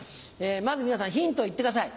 まず皆さんヒント言ってください。